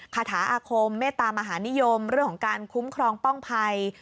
คาถาอาคมเมตตามหานิยมเรื่องของการคุ้มครองป้องภัย